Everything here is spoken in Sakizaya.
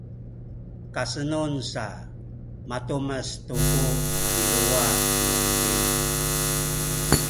kasenun sa matumes tu ku biluwa nuheni